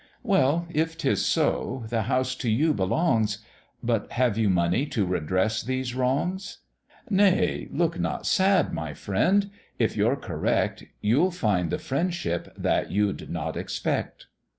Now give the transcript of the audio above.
"Well, if 'tis so, the house to you belongs; But have you money to redress these wrongs? Nay, look not sad, my friend; if you're correct, You'll find the friendship that you'd not expect."